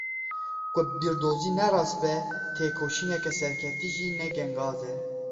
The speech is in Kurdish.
Ku bîrdozî ne rast be, têkoşîneke serkeftî jî ne gengaz e.